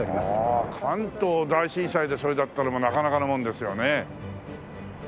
あ関東大震災でそれだったらなかなかなもんですよね。